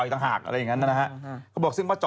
เพราะว่าตอนนี้ก็ไม่มีใครไปข่มครูฆ่า